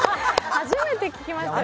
初めて聞きましたよ。